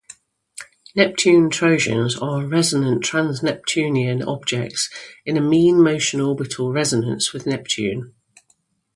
Neptune trojans are resonant trans-Neptunian objects in a mean-motion orbital resonance with Neptune.